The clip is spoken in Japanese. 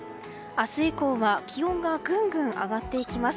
明日以降は気温がぐんぐん上がっていきます。